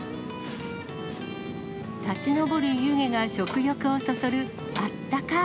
立ち上る湯気が食欲をそそるあったかー